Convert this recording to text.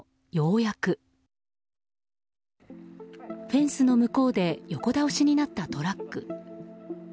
フェンスの向こうで横倒しになったトラック。